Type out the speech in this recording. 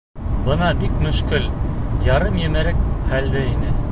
— Бина бик мөшкөл, ярым емерек хәлдә ине.